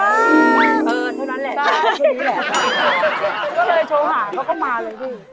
ก็เลยโทรหาเขาก็มาเลยพี่